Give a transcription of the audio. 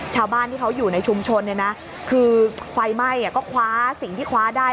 ชาวบ้านที่เขาอยู่ในชุมชนเนี่ยนะคือไฟไหม้ก็คว้าสิ่งที่คว้าได้